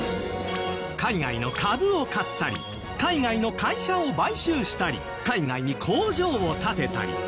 海外の株を買ったり海外の会社を買収したり海外に工場を建てたり。